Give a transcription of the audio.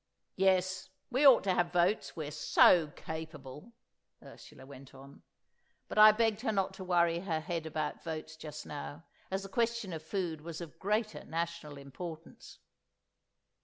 "—Yes, we ought to have votes, we're so—capable!" Ursula went on, but I begged her not to worry her head about votes just now, as the question of food was of greater national importance.